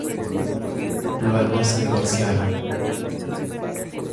Luego se divorciaron.